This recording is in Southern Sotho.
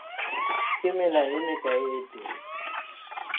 Ke mela e mekae e teng?